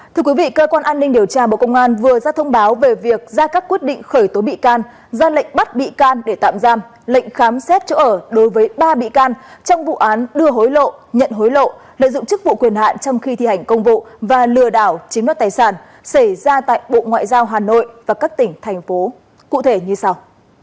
thưa quý vị cơ quan an ninh điều tra bộ công an vừa ra thông báo về việc ra các quyết định khởi tố bị can ra lệnh bắt bị can để tạm giam lệnh khám xét chỗ ở đối với ba bị can trong vụ án đưa hối lộ nhận hối lộ lợi dụng chức vụ quyền hạn trong khi thi hành công vụ và lừa đảo chiếm đoạt tài sản xảy ra tại bộ ngoại giao hà nội và các tỉnh thành phố cụ thể như sau